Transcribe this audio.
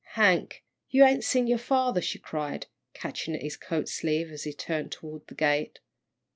"Hank, you ain't seen your father," she cried, catching at his coat sleeve, as he turned toward the gate.